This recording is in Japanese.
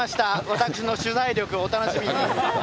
私の取材力、お楽しみに。